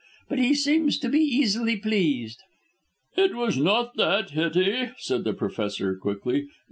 But he seems to be easily pleased." "It was not that, Hettie," said the Professor quickly.